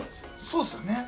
◆そうですよね。